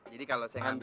jadi kalau saya ngambil